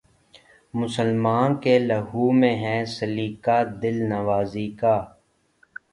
مسلماں کے لہو میں ہے سلیقہ دل نوازی کا